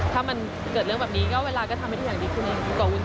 ถ้ามันเกิดเรื่องแบบนี้ก็เวลาก็ทำให้ดีขยับนิดนึง